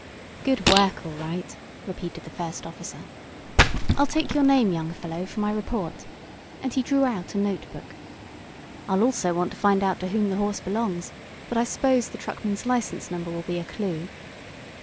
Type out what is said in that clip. "Good work, all right!" repeated the first officer. "I'll take your name, young fellow, for my report," and he drew out a notebook. "I'll also want to find out to whom the horse belongs, but I s'pose the truckman's license number will be a clue."